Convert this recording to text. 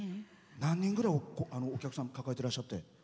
何人ぐらいお客さん抱えていらっしゃって？